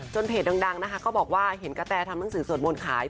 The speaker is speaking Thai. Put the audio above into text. จนเพจดังก็บอกว่าเห็นกะแตทำภาษาส่วนมนตร์ขาย